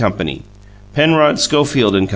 PENROD ScHoFiELD AND CO.